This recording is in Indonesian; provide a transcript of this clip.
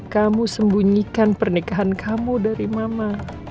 kamu sembunyikan pernikahan kamu dari mama